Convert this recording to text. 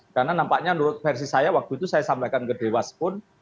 karena nampaknya menurut versi saya waktu itu saya sampaikan ke dewas pun